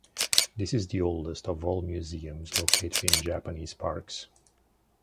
This is the oldest of all museums located in Japanese parks.